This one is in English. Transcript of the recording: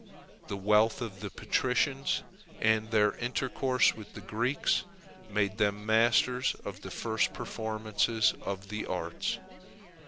The wealth of the patricians, and their intercourse with the Greeks, made them masters of the first performances of the arts.